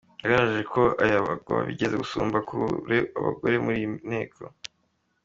Yagaragaje ko abagabo bigeze gusumba kure abagore muri iyi nteko.